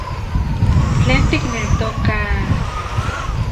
¿Tlen tikneltoka...?